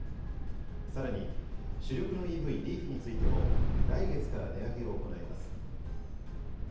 さらに主力のＥＶリーフについても、来月から値上げを行います。